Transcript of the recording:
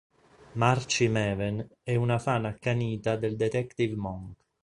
Marci Maven è una fan accanita del detective Monk.